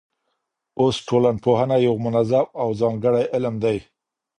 اوس ټولنپوهنه یو منظم او ځانګړی علم دی.